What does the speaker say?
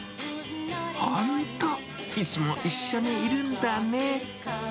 本当、いつも一緒にいるんだね。